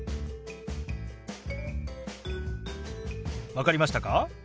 分かりましたか？